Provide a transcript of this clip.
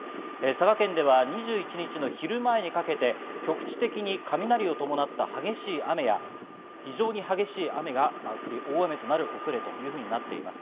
佐賀県では２１日の昼前にかけて、局地的に雷を伴った激しい雨や非常に激しい雨が降り、大雨となる恐れがあります。